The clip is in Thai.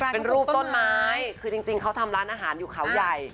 เป็นรูปต้นไม้คือจริงเขาทำร้านอาหารอยู่เขาใหญ่